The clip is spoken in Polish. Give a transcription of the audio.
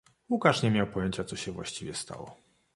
Łukasz nie miał pojęcia, co się właściwie stało.